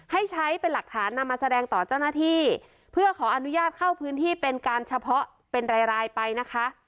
ให้ใช้เป็นหลักฐานนำมาแสดงต่อเจ้าหน้าที่เพื่อขออนุญาตเข้าพื้นที่เป็นการเฉพาะเป็นรายรายไปนะคะ